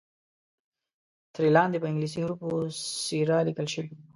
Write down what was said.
ترې لاندې په انګلیسي حروفو سیرا لیکل شوی وو.